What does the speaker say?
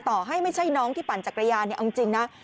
ต่อให้ไม่ใช่น้องที่ปั่นจักรยานเนี่ยเอาจริงนะ